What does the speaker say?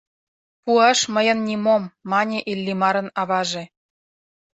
— Пуаш мыйын нимом, — мане Иллимарын аваже.